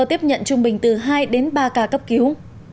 tiếp nhận trung bình từ hai đến ba ca cấp cứu